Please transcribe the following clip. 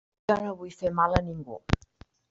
Jo no vull fer mal a ningú.